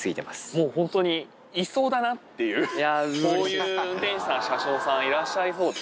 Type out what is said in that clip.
もう本当にいそうだなっていう、こういう運転手さん、車掌さん、いらっしゃいそうで。